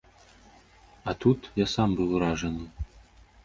А тут я сам быў уражаны!